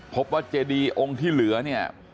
พบว่าเจดีองค์ที่เหลือเนี่ย